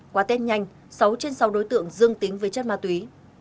qua tết nhanh sáu trên sáu đối tượng dương tính với chất ma túy